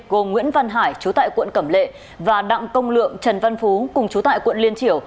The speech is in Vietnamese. gồm nguyễn văn hải chú tại quận cẩm lệ và đặng công lượng trần văn phú cùng chú tại quận liên triểu